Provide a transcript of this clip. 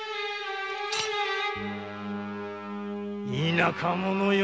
〔田舎者よ